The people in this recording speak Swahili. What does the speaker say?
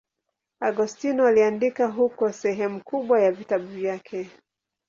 Agostino aliandika huko sehemu kubwa ya vitabu vyake.